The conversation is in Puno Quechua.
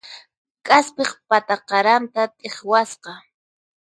K'aspiq pata qaranta t'iqwasqa.